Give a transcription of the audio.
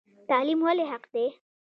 تعلیم ولې حق دی؟